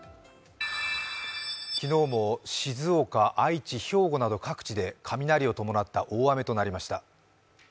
昨日も静岡、愛知、兵庫など各地で雷を伴った大雨となりました。